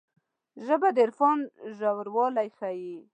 ژبه د عرفان ژوروالی ښيي